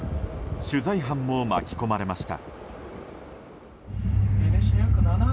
取材班も巻き込まれました。